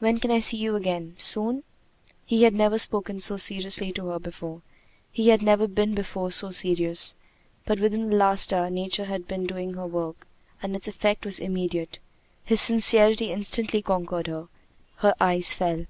"When can I see you again soon?" He had never spoken so seriously to her before. He had never before been so serious. But within the last hour Nature had been doing her work, and its effect was immediate. His sincerity instantly conquered her. Her eyes fell.